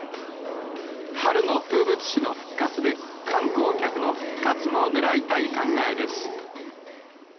春の風物詩の復活で、観光客の復活もねらいたい考えです。